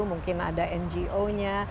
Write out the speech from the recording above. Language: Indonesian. mungkin ada ngo nya